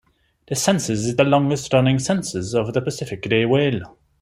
This census is the longest running census of the Pacific Gray Whale.